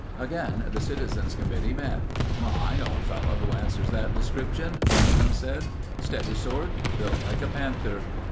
Again the Citizens' Committee met. "I know a fellow who answers that description," one of them said. "Steady sort. Built like a panther.